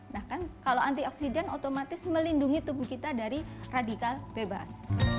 nah kan kalau antioksidan otomatis melindungi tubuh kita dari radikal bebas